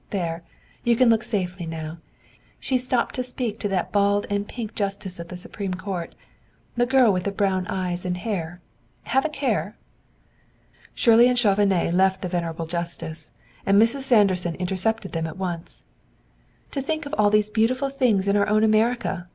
There you can look safely now. She's stopped to speak to that bald and pink Justice of the Supreme Court, the girl with the brown eyes and hair, have a care!" Shirley and Chauvenet left the venerable Justice, and Mrs. Sanderson intercepted them at once. "To think of all these beautiful things in our own America!"